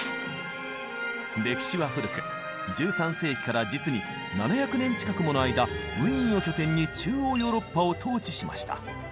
歴史は古く１３世紀から実に７００年近くもの間ウィーンを拠点に中央ヨーロッパを統治しました。